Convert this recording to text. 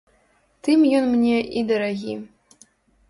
Тым ён мне і дарагі.